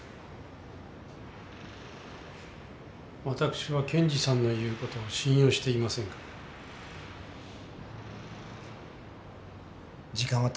私は検事さんの言う事を信用していませんから。